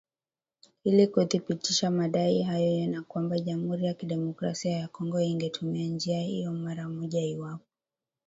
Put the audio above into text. ili kuthibitisha madai hayo na kwamba jamuhuri ya kidemokrasia ya Kongo ingetumia njia hiyo mara moja iwapo